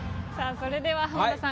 それでは浜田さん